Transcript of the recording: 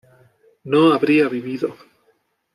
no habría vivido